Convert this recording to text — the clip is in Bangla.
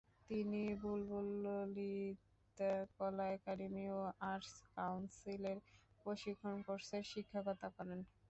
তিনি বুলবুল ললিতকলা একাডেমি ও আর্টস কাউন্সিলের প্রশিক্ষণ কোর্সের শিক্ষকতা করেন।